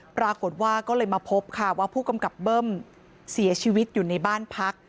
ปรากฏว่าก็เลยมาพบค่ะว่าผู้กำกับเบิ้มเสียชีวิตอยู่ในบ้านพัก